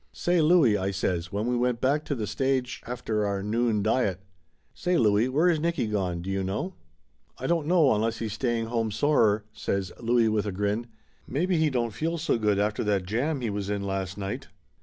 "Say, Louie," I says when we went back to the stage 294 Laughter Limited after our noon diet "Say, Louie, where is Nicky gone, do you know ?" "I don't know, unless he's staying home, sore," says Louie with a grin. "Maybe he don't feel so good after that jam he was in last night."